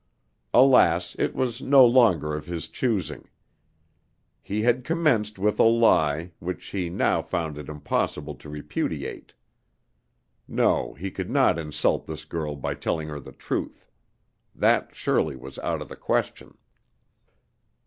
Alas, it was no longer of his choosing. He had commenced with a lie, which he now found it impossible to repudiate. No, he could not insult this girl by telling her the truth. That surely was out of the question.